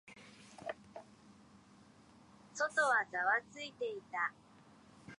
外はざわついていた。